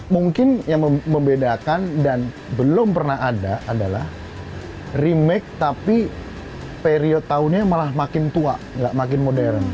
mungkin yang membedakan dan belum pernah ada adalah remake tapi period tahunnya malah makin tua gak makin modern